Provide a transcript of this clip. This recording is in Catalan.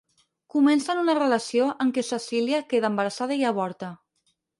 Comencen una relació amb què Cecília queda embarassada i avorta.